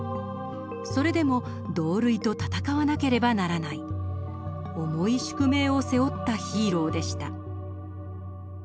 それでも同類と戦わなければならない重い宿命を背負ったヒーローでした。